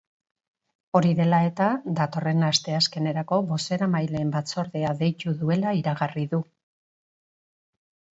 Hori dela eta, datorren asteazkenerako bozeramaileen batzordea deitu duela iragarri du.